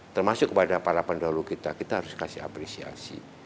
termasuk kepada para pendahulu kita kita harus kasih apresiasi